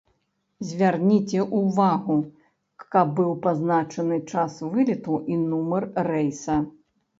Звярніце ўвагу, каб быў пазначаны час вылету і нумар рэйса.